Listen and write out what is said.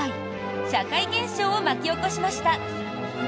社会現象を巻き起こしました。